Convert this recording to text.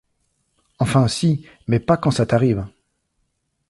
Enfin si, mais pas quand ça t’arrive…